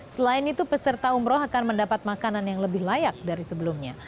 selain itu peserta umroh akan mendapat makanan yang lebih layak dari sebelumnya